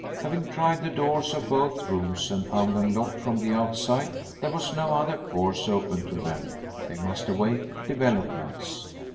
Having tried the doors of both rooms and found them locked from the outside, there was no other course open to them. They must await developments.